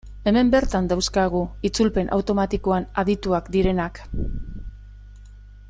Hemen bertan dauzkagu itzulpen automatikoan adituak direnak.